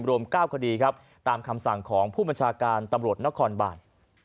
รวม๙คดีครับตามคำสั่งของผู้บัญชาการตำรวจนครบาน